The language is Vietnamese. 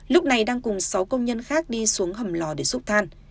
lúc này đang cùng sáu công nhân khác đi xuống hầm lò để giúp than